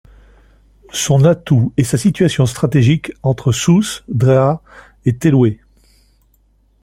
Son atout est sa situation stratégique entre Souss, Drâa et Telouet.